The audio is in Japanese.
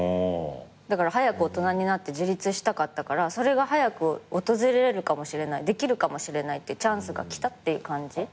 だから早く大人になって自立したかったからそれが早く訪れるかもしれないできるかもしれないってチャンスが来たっていう感じ。